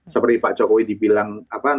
seperti pak jokowi dibilang